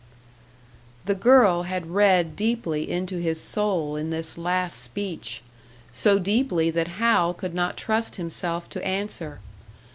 The girl had read deeply into his soul in this last speech; so deeply that Hal could not trust himself to answer.